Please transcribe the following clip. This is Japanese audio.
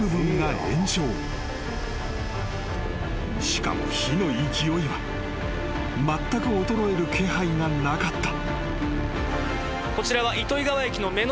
［しかも火の勢いはまったく衰える気配がなかった］